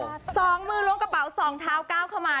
อ้าวสองมืงลงกระเป๋า๒เท้า๙เข้ามา